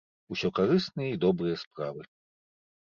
Усё карысныя і добрыя справы.